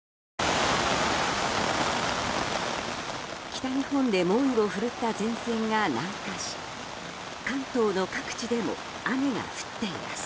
北日本で猛威を振るった前線が南下し関東の各地でも雨が降っています。